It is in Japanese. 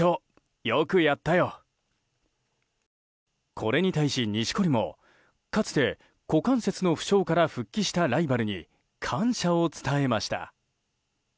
これに対し、錦織もかつて、股関節の負傷から復帰したライバルに感謝を伝えました。